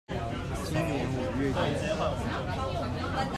今年五月底